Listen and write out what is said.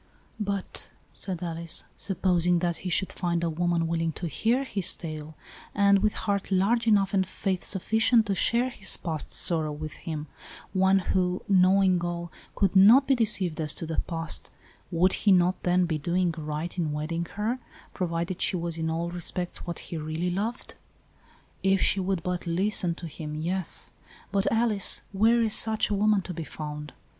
" But," said Alice, " supposing that he should find a woman willing to hear his tale, and with heart large enough and faith sufficient to share his past sorrow with him, one who, knowing all, could not be deceived as to the past, would he not then be doing right in wedding her, provided she was in all respects what he really loved?" " If she would but listen to him, yes. But, Alice, where is such a woman to be found?